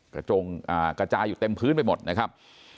กระจายอยู่เต็มพื้นไปหมดนะครับ